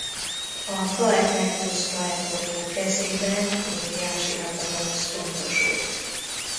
A praefectus praetorio kezében óriási hatalom összpontosult.